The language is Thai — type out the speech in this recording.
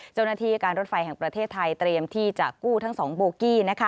เจ้าหน้าที่การรถไฟแห่งประเทศไทยเตรียมที่จะกู้ทั้ง๒โบกี้